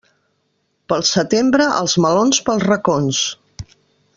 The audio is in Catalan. Pel setembre, els melons pels racons.